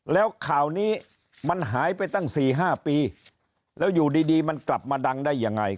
แล้วข่าวนี้มันหายไปตั้ง๔๕ปีแล้วอยู่ดีมันกลับมาดังได้ยังไง